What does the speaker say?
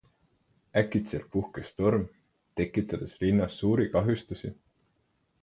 Äkitselt puhkes torm, tekitades linnas suuri kahjustusi.